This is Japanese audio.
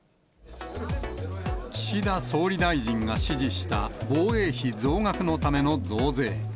岸田総理大臣が指示した防衛費増額のための増税。